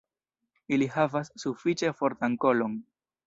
Ili havas sufiĉe fortan kolon.